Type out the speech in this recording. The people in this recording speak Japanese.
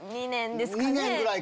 ２年ですかね。